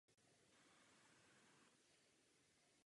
Rovněž vyšší správní posty zastávali pouze britští úředníci.